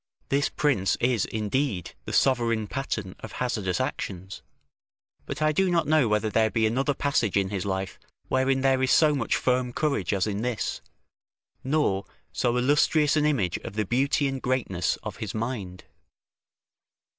This prince is, indeed, the sovereign pattern of hazardous actions; but I do not know whether there be another passage in his life wherein there is so much firm courage as in this, nor so illustrious an image of the beauty and greatness of his mind.